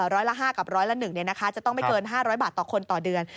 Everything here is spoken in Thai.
ร้อยละ๕กับร้อยละ๑จะต้องไม่เกิน๕๐๐บาทต่อคนต่อเดือน